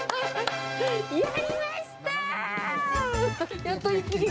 やりました！